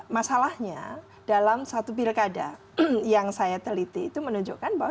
masalahnya dalam satu pilkada yang saya teliti itu menunjukkan bahwa